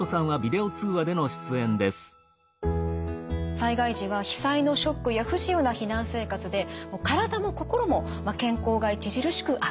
災害時は被災のショックや不自由な避難生活で体も心も健康が著しく悪化してしまうんです。